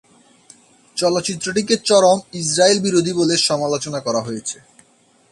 চলচ্চিত্রটিকে চরম ইসরায়েল বিরোধী বলে সমালোচনা করা হয়েছে।